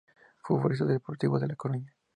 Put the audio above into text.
Futbolista del Deportivo de la Coruña.